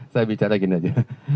saya bicara gini aja